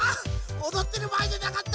おどってるばあいじゃなかった！